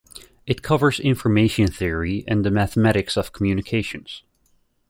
It covers information theory and the mathematics of communications.